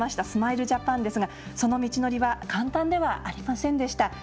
スマイルジャパンですがその道のりは簡単ではありませんでした。